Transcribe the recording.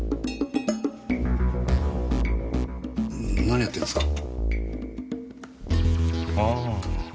何やってるんですか？